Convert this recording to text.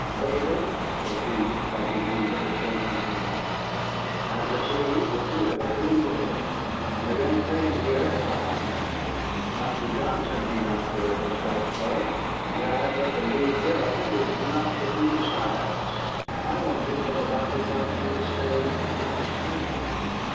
"David," said he, patting me with a shaking hand, "I perceive that you have a cool head. Our young friend here has a hot one. Dr. Johnson may not care for Scotch blood, and yet I think a wee bit of it is not to be despised." I wondered whether Dr. Johnson was staying in the house, too.